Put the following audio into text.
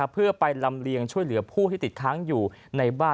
เพื่อไปลำเลียงช่วยเหลือผู้ที่ติดค้างอยู่ในบ้าน